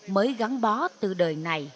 mới gắn bó từ đời này